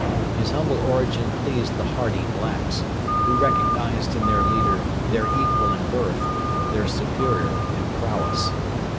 His humble origin pleased the hardy blacks, who recognised in their leader their equal in birth, their superior in prowess.